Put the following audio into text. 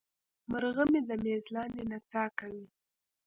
مرغه مې د میز لاندې نڅا کوي.